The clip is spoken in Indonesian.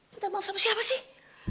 minta maaf sama siapa sih